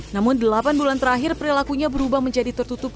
namun delapan bulan terakhir perilakunya berubah menjadi tertutup